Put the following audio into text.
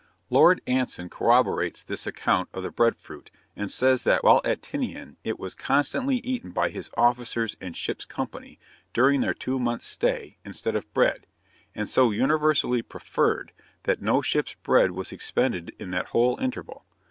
Lord Anson corroborates this account of the bread fruit, and says that, while at Tinian, it was constantly eaten by his officers and ship's company during their two months' stay, instead of bread; and so universally preferred, that no ship's bread was expended in that whole interval.